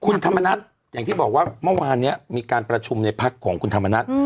คุณธรรมนัฐอย่างที่บอกว่าเมื่อวานนี้มีการประชุมในพักของคุณธรรมนัฐ